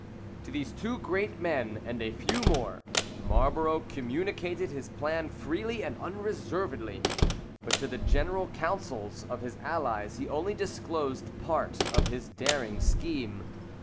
To these two great men, and a few more, Marlborough communicated his plan freely and unreservedly; but to the general councils of his allies he only disclosed part, of his daring scheme.